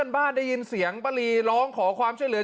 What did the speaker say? บ้านได้ยินเสียงป้าลีร้องขอความช่วยเหลือ